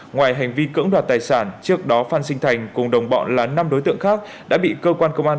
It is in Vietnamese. ngoài hành vi cưỡng đoạt tài sản trước đó phan sinh thành cùng đồng bọn là năm đối tượng khác đã bị cơ quan công an